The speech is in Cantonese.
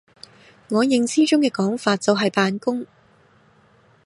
我認知中嘅講法就係扮工！